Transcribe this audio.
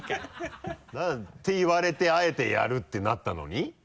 て言われてあえてやるってなったのに？